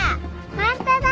本当だ！